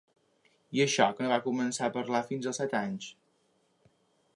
I això que no va començar a parlar fins als set anys.